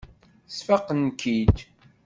Sfaqen-k-id.